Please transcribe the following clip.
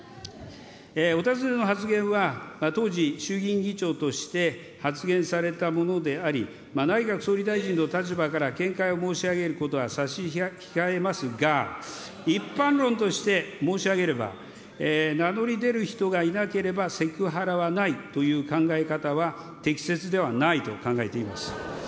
お尋ねの発言は、当時、衆議院議長として発言されたものであり、内閣総理大臣の立場から見解を申し上げることは差し控えますが、一般論として申し上げれば、名乗り出る人がいなければセクハラはないという考え方は適切ではないと考えています。